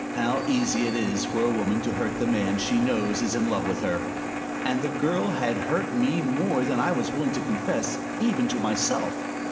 How easy it is for a woman to hurt the man she knows I is in love with her! And the Girl had hurt me more than I was willing to confess even to myself.